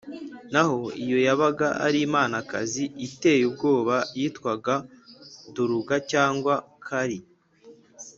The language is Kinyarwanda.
naho iyo yabaga ari imanakazi iteye ubwoba, yitwaga duruga cyangwa kali.